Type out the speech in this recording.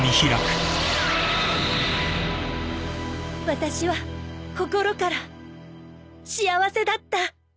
私は心から幸せだった